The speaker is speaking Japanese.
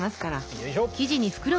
よいしょ。